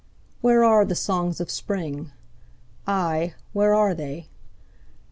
Where are the songs of Spring? Ay, where are they?